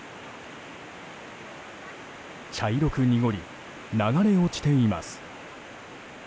茶色く濁り、流れ落ちています。